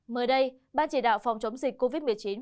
mới đây ban chỉ đạo phòng chống dịch covid một mươi chín